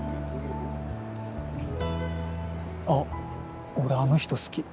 あっ俺あの人好き。